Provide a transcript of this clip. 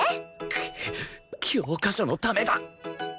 くっ教科書のためだ！